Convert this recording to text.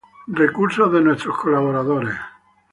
Recursos de nuestros colaboradores